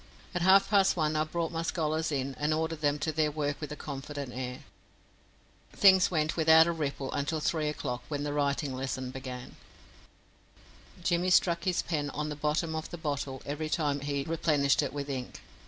At half past one I brought my scholars in and ordered them to their work with a confident air. Things went without a ripple until three o'clock, when the writing lesson began. Jimmy struck his pen on the bottom of the bottle every time he replenished it with ink.